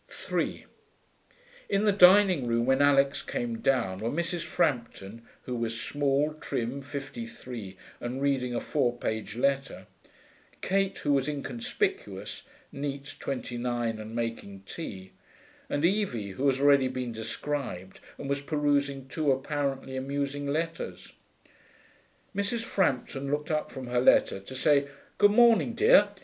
3 In the dining room, when Alix came down, were Mrs. Frampton, who was small, trim, fifty three, and reading a four page letter; Kate, who was inconspicuous, neat, twenty nine, and making tea; and Evie, who has already been described and was perusing two apparently amusing letters. Mrs. Frampton looked up from her letter to say, 'Good morning, dear.